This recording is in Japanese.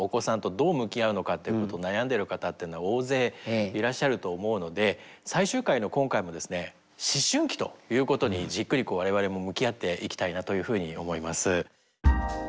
やっぱりこうってことを悩んでる方っていうのは大勢いらっしゃると思うので最終回の今回もですね「思春期」ということにじっくり我々も向き合っていきたいなというふうに思います。